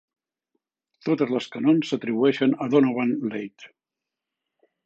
Totes les canons s'atribueixen a Donovan Leitch.